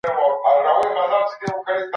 هغوی په کتابتون کي د سید قطب کتابونه لولي.